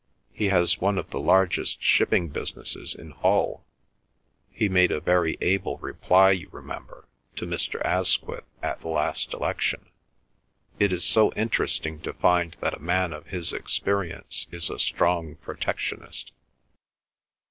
"He has one of the largest shipping businesses in Hull. He made a very able reply, you remember, to Mr. Asquith at the last election. It is so interesting to find that a man of his experience is a strong Protectionist."